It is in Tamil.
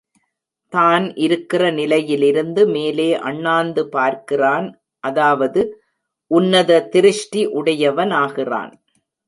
தான் இருக்கிற நிலையிலிருந்து மேலே அண்ணாந்து பார்க்கிறான் அதாவது, உன்னத திருஷ்டி உடையவனாகிறான்.